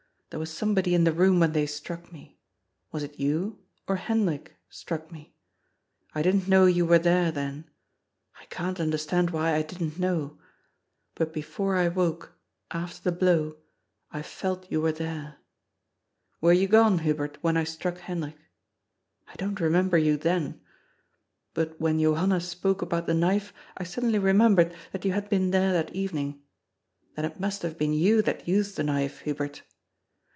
There was somebody in the room when they struck me. Was it you or Hendrik struck me ? I didn't know you were there then. I can't understand why I didn't know. But before I woke, after the blow, I felt you were there. Were you gone, Hubert, when I struck Hendrik ? I don't remember you then. But when Johanna spoke about the knife, I suddenly remembered that you had been there that evening. Then it must have been you that used the knife, Hubert.